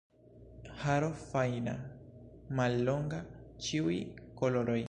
Haro fajna, mallonga, ĉiuj koloroj.